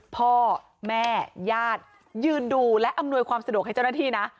พ่อแม่ญาติยืนดูและอำนวยความสะดวกให้เจ้าหน้าที่นะ